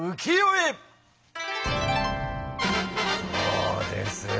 どうです？